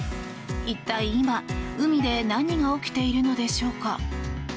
一体今、海で何が起きているのでしょうか。